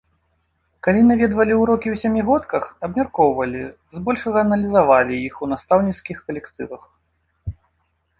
Калі наведвалі ўрокі ў сямігодках, абмяркоўвалі, збольшага аналізавалі іх у настаўніцкіх калектывах.